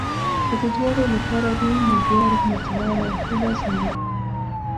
که د دواړو لپاره وي نو بیا رحمت الله علیهما لازم وو.